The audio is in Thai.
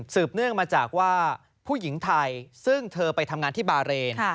เนื่องมาจากว่าผู้หญิงไทยซึ่งเธอไปทำงานที่บาเรน